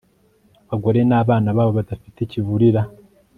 abagore n'abana babo badafite kivurira